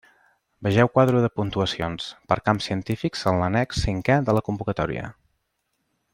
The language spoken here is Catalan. Vegeu quadro de puntuacions, per camps científics en l'annex cinqué de la convocatòria.